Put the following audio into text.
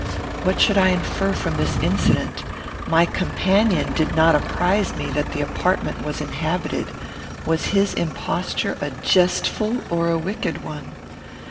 What should I infer from this incident? My companion did not apprize me that the apartment was inhabited. Was his imposture a jestful or a wicked one?